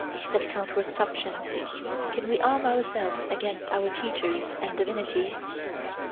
said Count Rostopchín. "Can we arm ourselves against our teachers and divinities?